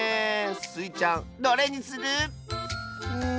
スイちゃんどれにする？